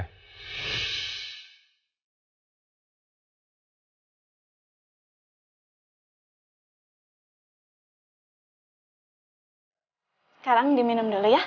sekarang diminum dulu ya